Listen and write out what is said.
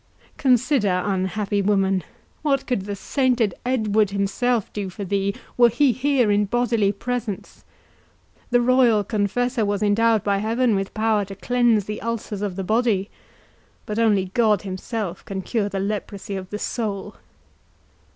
Consider, unhappy woman, what could the sainted Edward himself do for thee, were he here in bodily presence? The royal Confessor was endowed by heaven with power to cleanse the ulcers of the body, but only God himself can cure the leprosy of the soul."